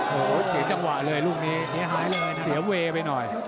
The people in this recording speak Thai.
โหเสียจังหวะเลยลูกนี้เสียเวย์ไปหน่อย